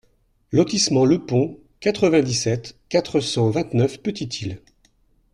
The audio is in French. Lotissement le Pont, quatre-vingt-dix-sept, quatre cent vingt-neuf Petite-Île